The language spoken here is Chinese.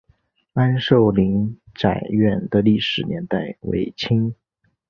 安寿林宅院的历史年代为清。